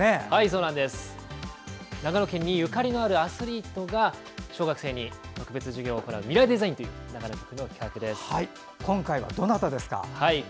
長野県にゆかりのあるアスリートが小学生に特別授業を行う「ミライ×デザイン」という企画です。